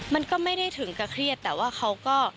มันก็ไม่ได้ถึงกับเครียดแต่ว่าเขาก็